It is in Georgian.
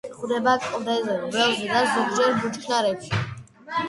გვხვდება კლდეზე, ველზე და ზოგჯერ ბუჩქნარებში.